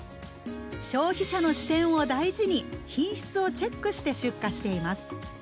消費者の視点を大事に品質をチェックして出荷しています。